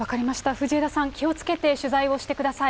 藤枝さん、気をつけて取材をしてください。